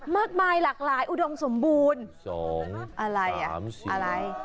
มากมายหลากหลายอุดมสมบูรณ์สองอะไรอ่ะอะไร